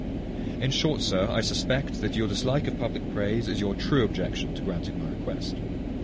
In short, sir, I suspect, that your dislike of public praise is your true objection to granting my request.